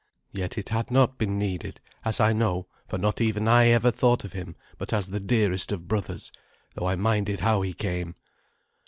Yet it had not been needed, as I know, for not even I ever thought of him but as the dearest of brothers, though I minded how he came.